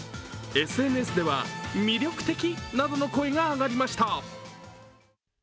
ＳＮＳでは魅力的などの声が上がりました。